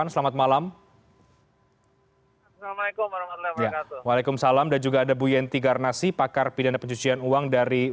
selamat malam bu yenti apa kabar